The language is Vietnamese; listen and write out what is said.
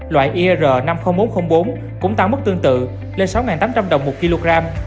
loại ir năm mươi nghìn bốn trăm linh bốn cũng tăng mức tương tự lên sáu tám trăm linh đồng một kg